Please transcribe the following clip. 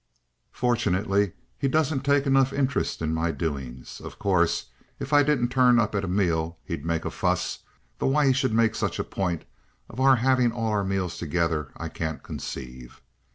"Fortunately he doesn't take enough interest in my doings. Of course, if I didn't turn up at a meal, he'd make a fuss, though why he should make such a point of our having all our meals together I can't conceive.